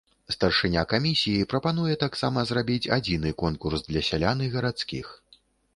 Старшыня камісіі прапануе таксама зрабіць адзіны конкурс для сялян і гарадскіх.